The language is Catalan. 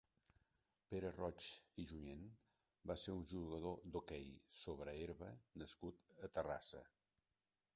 Pere Roig i Junyent va ser un jugador d'hoquei sobre herba nascut a Terrassa.